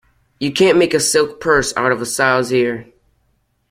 You can't make a silk purse out of a sow's ear.